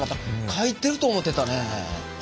かいてると思てたね。